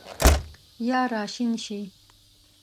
یا راشین شي